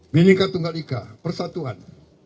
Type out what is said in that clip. binika tunggal ika persatuan